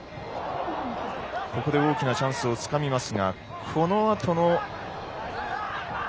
ここで大きなチャンスをつかみます。